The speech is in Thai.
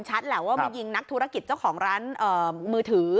แหละว่ามายิงนักธุรกิจเจ้าของร้านมือถือ